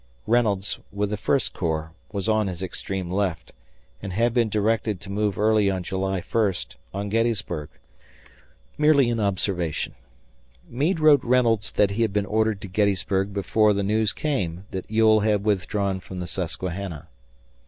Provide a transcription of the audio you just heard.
Reynolds, with the First Corps, was on his extreme left and had been directed to move early on July 1 on Gettysburg merely in observation. Meade wrote Reynolds that he had been ordered to Gettysburg before the news came that Ewell had withdrawn from the Susquehanna.